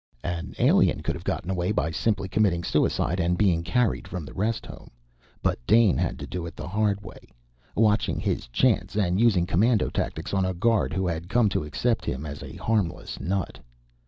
An alien could have gotten away by simply committing suicide and being carried from the rest home, but Dane had to do it the hard way, watching his chance and using commando tactics on a guard who had come to accept him as a harmless nut.